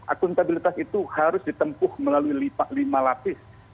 akuntabilitas itu harus ditempuh melalui lima lapis